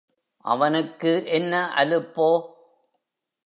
அவனுக்கு என்ன அலுப்போ?